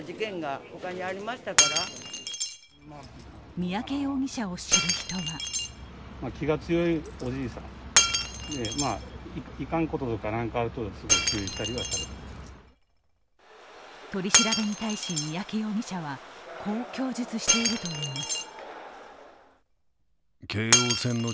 三宅容疑者を知る人は取り調べに対し三宅容疑者はこう供述しているといいます。